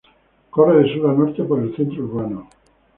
Corre de sur a norte por el centro urbano.